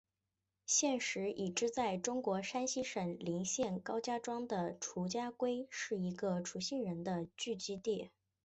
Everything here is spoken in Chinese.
现时已知在中国山西省临县高家庄的雒家洼是一个雒姓人的聚居地。